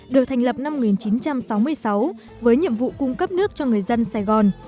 được thành lập năm một nghìn chín trăm sáu mươi sáu với nhiệm vụ cung cấp nước cho người dân sài gòn